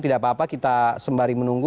tidak apa apa kita sembari menunggu